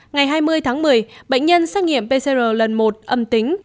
ngày hai mươi tháng một mươi bệnh nhân xét nghiệm pcr lần một âm tính